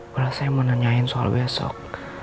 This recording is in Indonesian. pernah saya mau nanyain soal besok